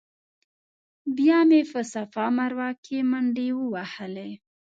بیا مې په صفا مروه کې منډې ووهلې.